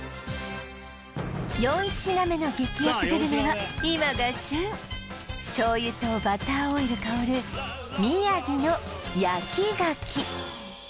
４品目の激安グルメは今が旬醤油とバターオイル香る宮城の焼き牡蠣